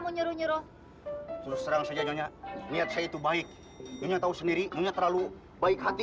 nyuruh nyuruh serang saja nyonya lihat saya itu baik ini atau sendiri punya terlalu baik hati